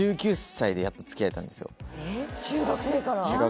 中学生から？